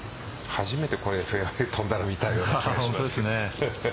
初めてフェアウェイ飛んだの見たような気がします。